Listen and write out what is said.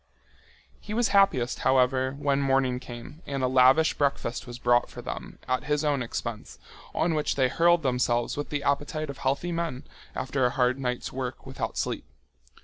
He was happiest, however, when morning came and a lavish breakfast was brought for them at his own expense, on which they hurled themselves with the appetite of healthy men after a hard night's work without sleep.